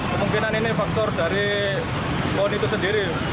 kemungkinan ini faktor dari pohon itu sendiri